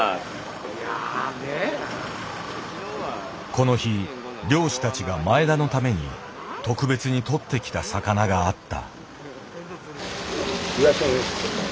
この日漁師たちが前田のために特別にとってきた魚があった。